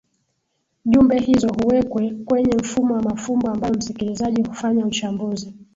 Jumbe hizo huwekwe kwenye mfumo wa mafumbo ambayo msikilizaji hufanya uchambuzi